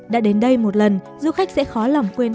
đã đến đây một lần du khách sẽ khó lòng quên